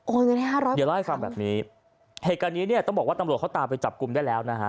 เงินให้ห้าร้อยเดี๋ยวเล่าให้ฟังแบบนี้เหตุการณ์นี้เนี่ยต้องบอกว่าตำรวจเขาตามไปจับกลุ่มได้แล้วนะฮะ